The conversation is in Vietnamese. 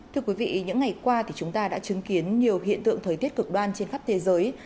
thưa quý vị những ngày qua thì chúng ta đã chứng kiến nhiều hiện tượng thời tiết cực đoan trên khắp thế giới